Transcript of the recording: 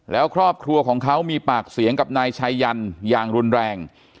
แล้วครอบครัวของเขามีปากเสียงกับนายชายันอย่างรุนแรง